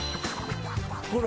ほら。